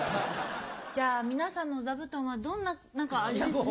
じゃ皆さんの座布団はどんな何かあれですね。